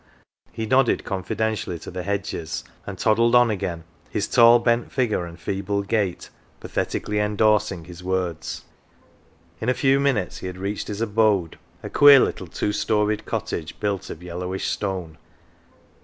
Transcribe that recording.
He nodded confidentially to the hedges, and toddled on again, his tall bent figure and feeble gait pathetically endorsing his words. In a few minutes he had reached his abode, a queer little two storeyed cottage built of yellowish stone.